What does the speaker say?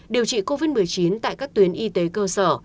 điều trị covid một mươi chín tại các tuyến y tế cơ sở